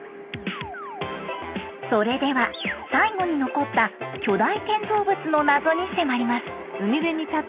それでは最後に残った「巨大建造物の謎」に迫ります。